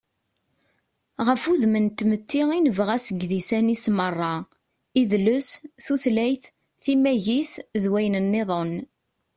ɣef wudem n tmetti i nebɣa seg yidisan-is meṛṛa: idles, tutlayt, timagit, d wayen-nniḍen